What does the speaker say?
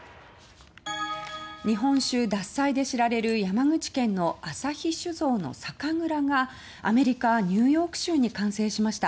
日本酒「獺祭」で知られる山口県の旭酒造の酒蔵がアメリカ・ニューヨーク州に完成しました。